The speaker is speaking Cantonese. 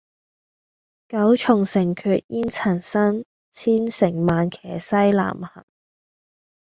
九重城闕煙塵生，千乘萬騎西南行。